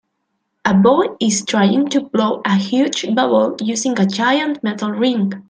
A boy is trying to blow a huge bubble using a giant metal ring.